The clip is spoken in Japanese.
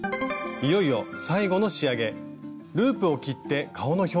いよいよ最後の仕上げ。